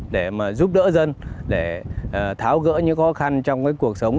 để mà giúp đỡ dân để tháo gỡ những khó khăn trong cuộc sống